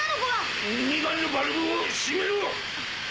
２番のバルブを閉めろ！